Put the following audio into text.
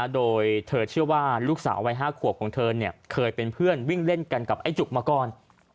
โดยเธอเชื่อว่าลูกสาววัย๕ขวบของเธอเคยเป็นเพื่อนวิ่งเล่นกันกับไอ้จุกมาก่อน